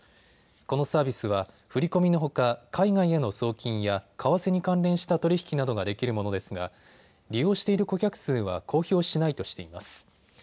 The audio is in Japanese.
このサービスは振り込みのほか海外への送金や為替に関連した取り引きなどができるものですが利用している顧客数は公表しないとしています。